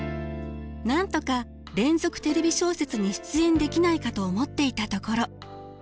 なんとか「連続テレビ小説」に出演できないかと思っていたところ。